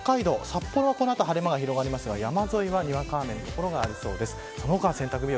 それから北海道札幌はこの後晴れ間が広がりますが山沿いはにわか雨の所がありそうです。